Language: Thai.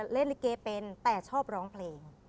เล่นลิเกเป็นแต่ชอบร้องเพลง